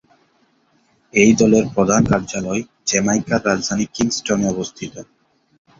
এই দলের প্রধান কার্যালয় জ্যামাইকার রাজধানী কিংস্টনে অবস্থিত।